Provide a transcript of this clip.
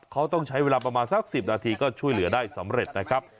เขาต้องใช้เวลาประมาณสัก๑๐นาทีก็ช่วยเหลือได้สำเร็จนะครับ